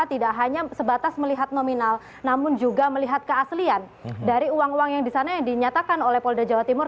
tidak hanya sebatas melihat nominal namun juga melihat keaslian dari uang uang yang di sana yang dinyatakan oleh polda jawa timur